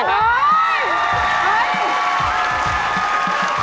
เฮ่ย